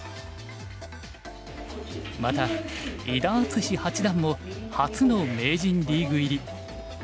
また伊田篤史八段も初の名人リーグ入り。